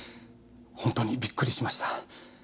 本当にびっくりしました。